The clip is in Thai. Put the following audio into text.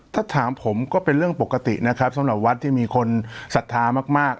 ถ้าถามผมก็เป็นเรื่องปกตินะครับสำหรับวัดที่มีคนศรัทธามาก